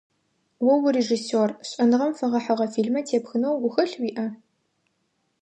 О урежиссер, шӏэныгъэм фэгъэхьыгъэ фильмэ тепхынэу гухэлъ уиӏа?